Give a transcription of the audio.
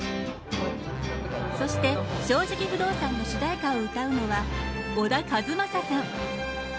そして「正直不動産」の主題歌を歌うのは小田和正さん。